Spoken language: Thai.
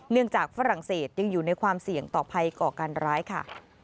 เนื่องจากฝรั่งเศสอยู่ในความเสี่ยงต่อไปก่อการร้ายค่ะ